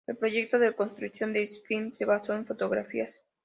El proyecto de reconstrucción de Schinkel se basó en fotografías.